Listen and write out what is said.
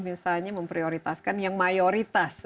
misalnya memprioritaskan yang mayoritas